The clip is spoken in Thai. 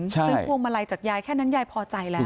ซื้อพวงมาลัยจากยายแค่นั้นยายพอใจแล้ว